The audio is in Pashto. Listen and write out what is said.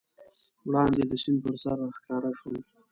وړاندې د سیند پر سر راښکاره شوه.